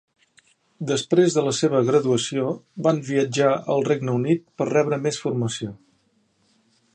Després de la seva graduació van viatjar al Regne Unit per rebre més formació.